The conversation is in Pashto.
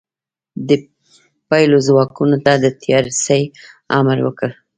د پلیو ځواکونو ته د تیارسئ امر وکړ.